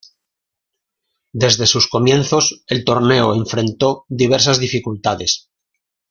Desde sus comienzos el torneo enfrentó diversas dificultades.